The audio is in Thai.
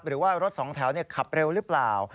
หรือว่ารถสองแถวขับเร็วหรือเปล่า